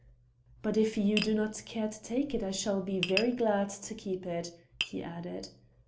"But if you do not care to take it I shall be very glad to keep it," he added.